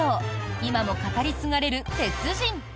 今も語り継がれる鉄人。